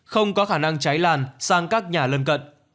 không có khả năng cháy lan sang các nhà lân cận